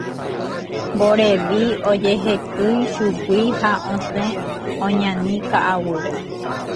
Mborevi ojehekýi chugui ha osẽ oñani ka'aguýre.